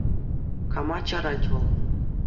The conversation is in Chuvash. Кама чарать вӑл?